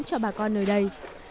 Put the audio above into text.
cho bà con nơi đây